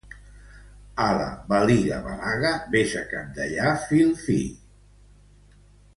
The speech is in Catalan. Hala, baliga-balaga, ves a cabdellar fil fi!